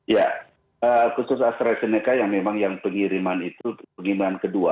ya khusus astrazeneca yang memang yang pengiriman itu pengiriman kedua